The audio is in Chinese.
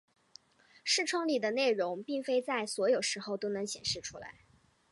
视窗里的内容并非在所有时候都能显示出来。